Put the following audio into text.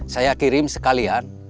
saya kirim sekalian